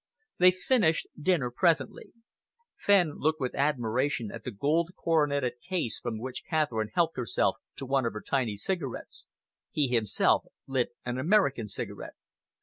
They finished dinner presently. Fenn looked with admiration at the gold, coroneted case from which Catherine helped herself to one of her tiny cigarettes. He himself lit an American cigarette.